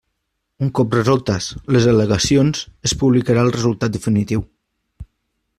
Un cop resoltes les al·legacions, es publicarà el resultat definiu.